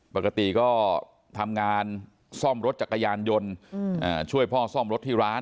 ปกติก็ทำงานซ่อมรถจักรยานยนต์ช่วยพ่อซ่อมรถที่ร้าน